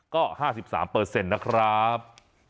ก็๕๓เปอร์เซ็นต์นะครับ